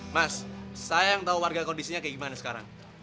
mas saya yang tahu warga kondisinya kayak gimana sekarang